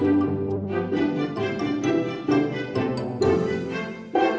ayo mereka aktivasikan tikutan